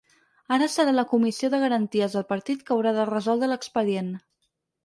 Ara serà la comissió de garanties del partit que haurà de resoldre l’expedient.